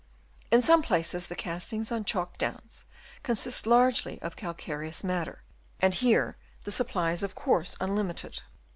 In some places, the castings on Chalk Downs consist largely of calcareous matter, and here the supply is of course unlimited.